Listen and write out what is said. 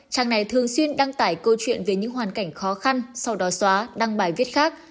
trang này thường xuyên đăng tải câu chuyện về những hoàn cảnh khó khăn sau đó xóa đăng bài viết khác